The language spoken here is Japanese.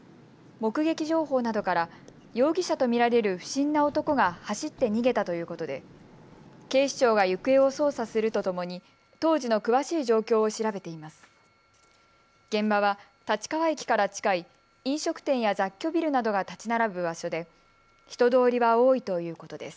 目撃情報などから容疑者と見られる不審な男が走って逃げたということで警視庁が行方を捜査するとともに当時の詳しい状況を調べています。